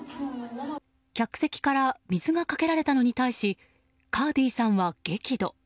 客席から水がかけられたのに対しカーディさんは激怒。